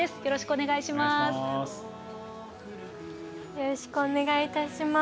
よろしくお願いします。